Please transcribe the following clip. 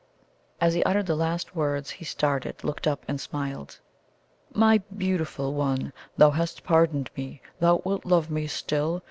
As he uttered the last words, he started, looked up, and smiled. "My beautiful one! Thou HAST pardoned me? Thou wilt love me still?